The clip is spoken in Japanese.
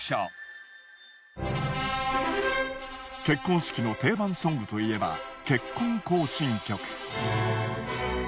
結婚式の定番ソングといえば。